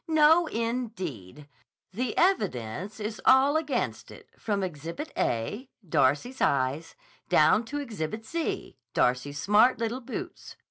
No, indeed! The evidence is all against it from Exhibit A, Darcy's eyes, down to Exhibit Z, Darcy's smart little boots.